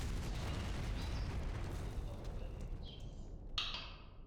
Elle effectue sa scolarité obligatoire en Valais, en Suisse.